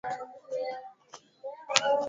viazi lishe husaidia mfumo wa upumuaji